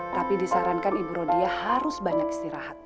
tapi disarankan ibu rodia harus banyak istirahat